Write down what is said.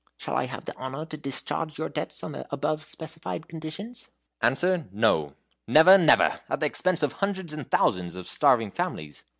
Shall I have the honor to discharge your debts on the above specified conditions?" "Answer, no never, never! at the expense of hundreds and thousands of starving families."